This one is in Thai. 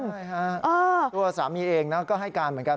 ใช่ค่ะตัวสามีเองนะก็ให้การเหมือนกัน